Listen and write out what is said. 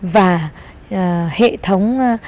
và hệ thống